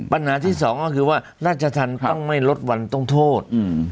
ปัญหาที่สองก็คือว่าราชธรรมต้องไม่ลดวันต้องโทษ